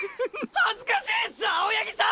恥ずかしいす青八木さん！！